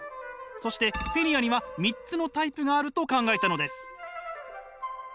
そしてフィリアには三つのタイプがあると考えたのです。